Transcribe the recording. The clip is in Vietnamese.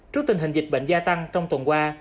trước tình hình dịch bệnh gia tăng trong tuần qua